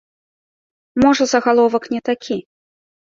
Можа загаловак не такі.